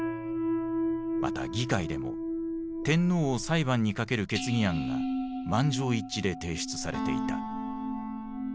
また議会でも天皇を裁判にかける決議案が満場一致で提出されていた。